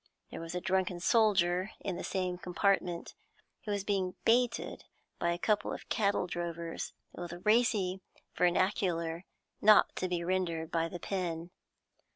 There was a drunken soldier in the same compartment, who was being baited by a couple of cattle drovers with racy vernacular not to be rendered by the pen.